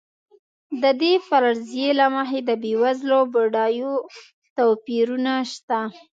د دې فرضیې له مخې د بېوزلو او بډایو توپیرونه شته.